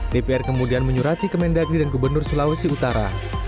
dpr kemudian menyurati kemendagri dan gubernur sulawesi utara